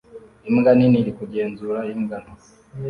Imbwa nini iri kugenzura imbwa nto